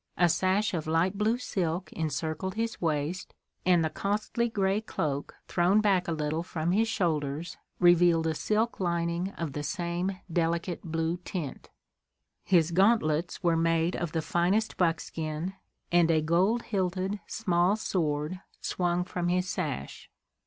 A sash of light blue silk encircled his waist, and the costly gray cloak thrown back a little from his shoulders revealed a silk lining of the same delicate blue tint. His gauntlets were made of the finest buckskin, and a gold hilted small sword swung from his sash.